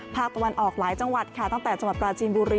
ภาคตะวันออกหลายจังหวัดค่ะตั้งแต่จังหวัดปราจีนบุรี